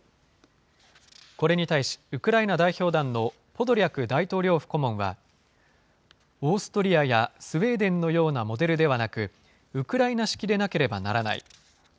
これに対し、ウクライナ代表団のポドリャク大統領府顧問は、オーストリアやスウェーデンのようなモデルではなく、ウクライナ式でなければならない。